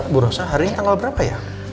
bu rosa hari ini tanggal berapa ya